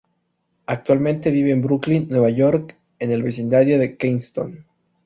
Actualmente vive en Brooklyn, Nueva York, en el vecindario de Kensington.